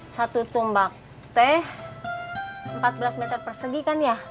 satu tumbak teh empat belas meter persegi kan ya